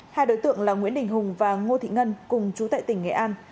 hai đối tượng là nguyễn đình hùng và ngô thị ngân cùng chú tại tỉnh nghệ an